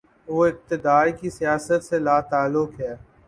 وہ اقتدار کی سیاست سے لاتعلق ہے۔